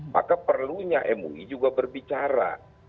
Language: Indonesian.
maka perlunya mui juga berbicara